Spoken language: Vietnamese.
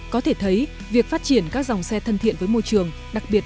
có thể thấy việc phát triển các dòng xe thân thiện với mục đích là một cái chất lượng